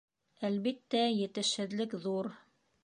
— Әлбиттә, етешһеҙлек ҙур.